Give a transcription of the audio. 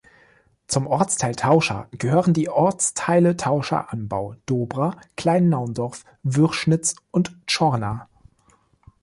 Zum Ortsteil Tauscha gehören die Ortsteile Tauscha-Anbau, Dobra, Kleinnaundorf, Würschnitz und Zschorna.